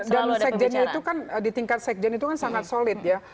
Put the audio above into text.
dan sekjennya itu kan di tingkat sekjen itu kan sangat solid ya